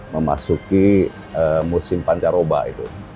memasuki musim pancaroba itu